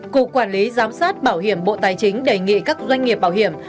cục quản lý giám sát bảo hiểm bộ tài chính đề nghị các doanh nghiệp bảo hiểm